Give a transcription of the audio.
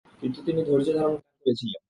কিন্তু তিনি ধৈর্যধারণ করেছিলেন।